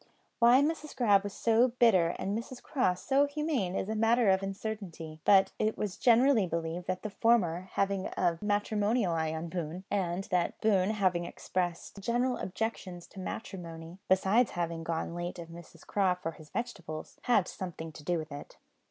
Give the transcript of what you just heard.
Why Mrs Grab was so bitter and Mrs Craw so humane is a matter of uncertainty; but it was generally believed that the former having had a matrimonial eye on Boone, and that Boone having expressed general objections to matrimony besides having gone of late to Mrs Craw for his vegetables had something to do with it.